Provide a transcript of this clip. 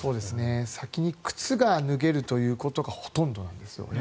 先に靴が脱げるというのがほとんどなんですね。